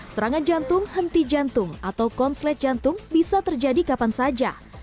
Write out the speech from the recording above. serangan jantung henti jantung atau konslet jantung bisa terjadi kapan saja